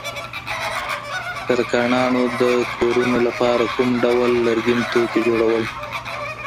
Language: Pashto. ترکاڼانو د کورونو لپاره کوم ډول لرګین توکي جوړول؟